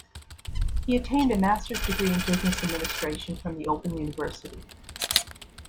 He attained a master's degree in business administration from the Open University.